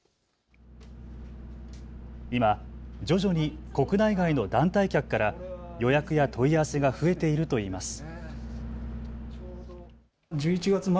今、徐々に国内外の団体客から予約や問い合わせが増えているといいます。